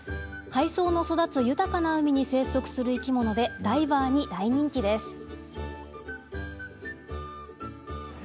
海藻の育つ豊かな海に生息する生き物でダイバーに大人気です。